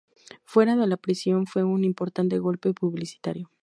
Fuera de la prisión fue un importante golpe publicitario.